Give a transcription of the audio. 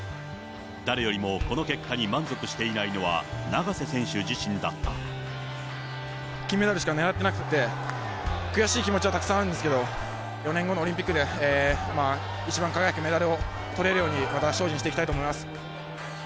誰よりもこの結果に満足していないのは、金メダルしか狙ってなくて、悔しい気持ちはたくさんあるんですけど、４年後のオリンピックで、一番輝くメダルをとれるように、また精進していきたいと思います。